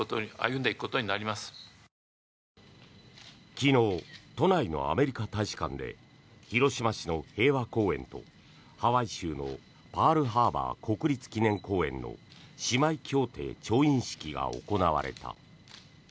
昨日、都内のアメリカ大使館で広島市の平和公園とハワイ州のパールハーバー国立記念公園の姉妹協定調印式が行われた。